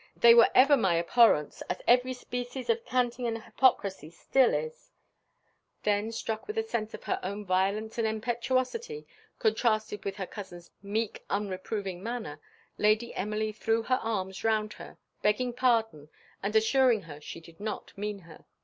They were ever my abhorrence, as every species of canting and hypocrisy still is " Then struck with a sense of her own violence and impetuosity, contrasted with her cousin's meek unreproving manner, Lady Emily threw her arms round her, begging pardon, and assuring her she did not mean her.